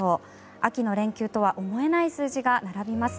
秋の連休とは思えない数字が並びます。